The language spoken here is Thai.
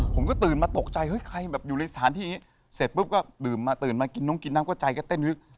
ผมก็ตื่นมาตกใจเฮ้ยใครแบบอยู่ในสถานที่อย่างนี้เสร็จปุ๊บก็ดื่มมาตื่นมากินน้องกินน้ำก็ใจก็เต้นฮึก